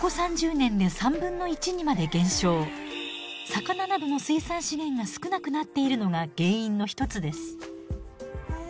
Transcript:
魚などの水産資源が少なくなっているのが原因の一つです。